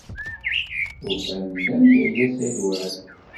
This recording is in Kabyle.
Ufant-d anda yella Saɛid Waɛli.